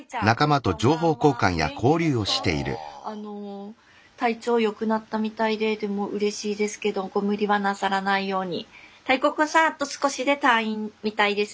あの体調良くなったみたいででもうれしいですけどご無理はなさらないように。